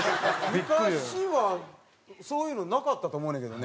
昔はそういうのなかったと思うねんけどね。